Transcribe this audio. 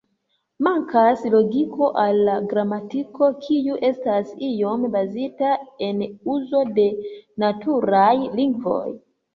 Mankas logiko al la gramatiko kiu estas iom bazita en uzo de naturaj lingvoj.